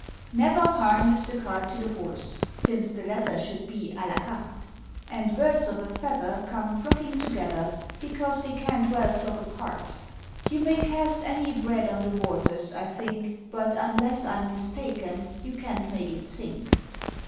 Never Harness the Cart to the Horse; Since the latter should be à la carte. And Birds of a Feather Come Flocking Together, Because they can't well Flock Apart. (You may cast any Bread on the Waters, I think, But, unless I'm mistaken, you can't make it Sink.)